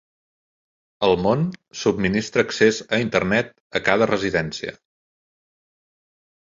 "El món" subministra accés a Internet a cada residència.